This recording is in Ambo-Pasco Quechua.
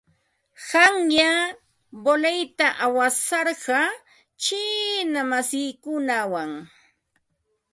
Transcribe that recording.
Qanyan voleyta awasarqaa chiina masiikunawan.